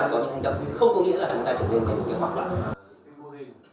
thì chúng ta phải có những hành động không có nghĩa là chúng ta trở nên một kế hoạch